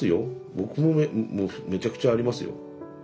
僕ももうめちゃくちゃありますよ。